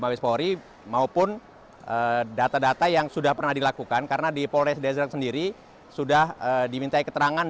mabes polri maupun data data yang sudah pernah dilakukan karena di polres desrak sendiri sudah diminta keterangan